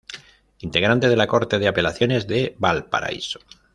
Integrante de la Corte de Apelaciones de Valparaíso.